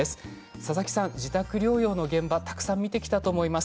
佐々木さん、自宅療養の現場たくさん見てきたと思います。